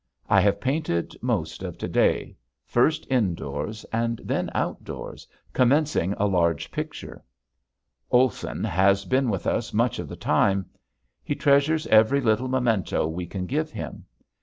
I have painted most of to day, first indoors, and then outdoors commencing a large picture. Olson has been with us much of the time. He treasures every little memento we can give him.